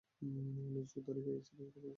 নিজস্ব তরিকায় এর সাথে সম্পর্ক স্থাপন করেছি।